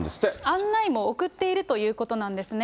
案内も送っているということなんですね。